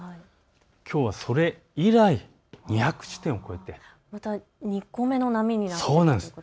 きょうはそれ以来、２００地点を超えて２個目の波になってきたということですね。